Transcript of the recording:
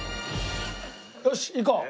よしいこう！